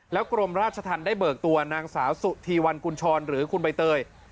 กรมราชธรรมได้เบิกตัวนางสาวสุธีวันกุญชรหรือคุณใบเตย